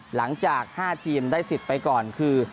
หลังจาก๕ทีมได้สิทธิ์ไปก่อนคือ